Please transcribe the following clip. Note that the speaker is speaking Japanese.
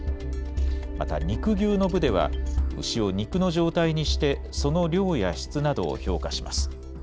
また肉牛の部では、牛を肉の状態にしてその量や質などを評価します。